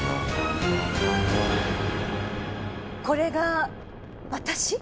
これが私？